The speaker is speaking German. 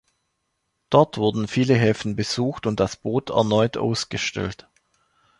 Dort wurden viele Häfen besucht und das Boot erneut ausgestellt.